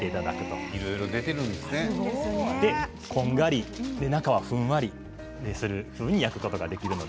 こんがり、中はふんわり焼くことができます。